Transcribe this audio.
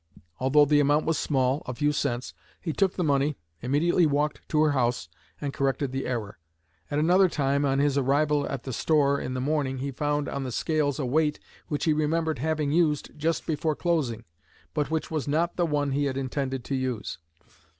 Although the amount was small, a few cents, he took the money, immediately walked to her house, and corrected the error. At another time, on his arrival at the store in the morning, he found on the scales a weight which he remembered having used just before closing, but which was not the one he had intended to use.